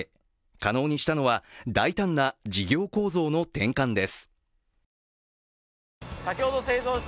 可能にしたのは大胆な事業構造の転換です。